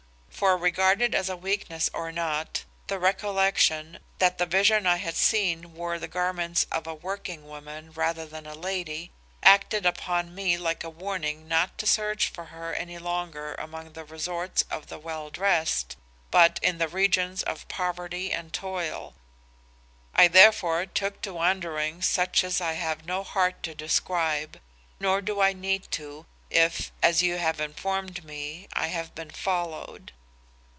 For regard it as weakness or not, the recollection that the vision I had seen wore the garments of a working woman rather than a lady, acted upon me like a warning not to search for her any longer among the resorts of the well dressed, but in the regions of poverty and toil. I therefore took to wanderings such as I have no heart to describe. Nor do I need to, if, as you have informed me, I have been followed.